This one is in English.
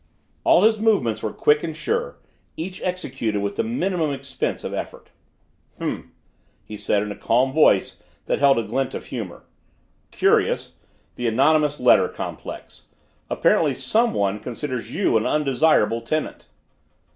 All his movements were quick and sure each executed with the minimum expense of effort. "H'm," he said in a calm voice that held a glint of humor. "Curious, the anonymous letter complex! Apparently someone considers you an undesirable tenant!"